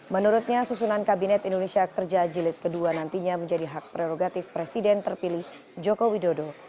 menurutnya susunan kabinet indonesia kerja jilid ii nantinya menjadi hak prerogatif presiden terpilih joko widodo